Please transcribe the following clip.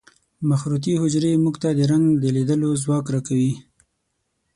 مخروطي حجرې موږ ته د رنګ د لیدلو ځواک را کوي.